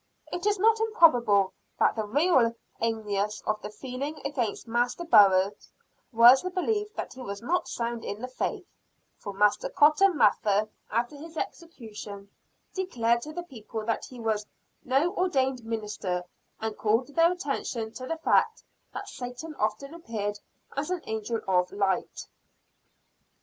It is not improbable that the real animus of the feeling against Master Burroughs was the belief that he was not sound in the faith; for Master Cotton Mather, after his execution, declared to the people that he was "no ordained minister," and called their attention to the fact that Satan often appeared as an angel of light.